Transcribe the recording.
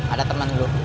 ada temen lu